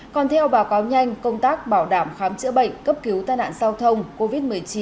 còn theo báo cáo nhanh công tác bảo đảm khám chữa bệnh cấp cứu tai nạn giao thông covid một mươi chín